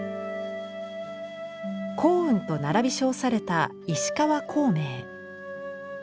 光雲と並び称された石川光明。